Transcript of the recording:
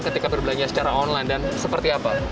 ketika berbelanja secara online dan seperti apa